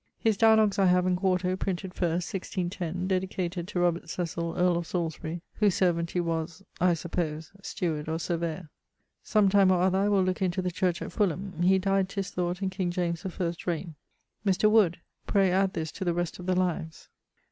His dialogues I have, in 4to, printed first, 1610; dedicated to Cecil, earle of Salisbury, whose servant he was, (I suppose) steward or surveyor. Sometime or other I will looke into the church at Fulham: he died ('tis thought) in King James the first raigne. Mr. Wood! pray add this to the rest of the lives.